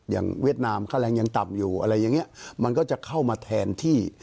เวียดนามค่าแรงยังต่ำอยู่อะไรอย่างนี้มันก็จะเข้ามาแทนที่